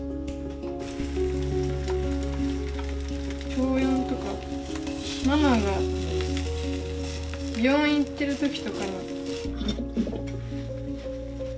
小４とかママが病院行ってる時とかに。